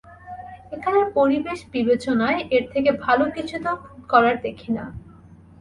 এখানের পরিবেশ বিবেচনায়, এর থেকে ভালো কিছু তো করার দেখি না।